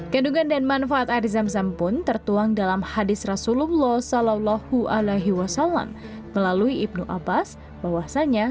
kandungan dan manfaat air zam zam pun tertuang dalam hadis rasulullah saw melalui ibnu abbas bahwasannya